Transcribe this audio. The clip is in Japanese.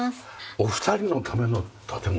お二人のための建物？